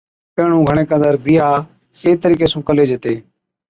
پيهڻُون گھڻي قدر بِيھا اي طريقي سُون ڪلِي جتي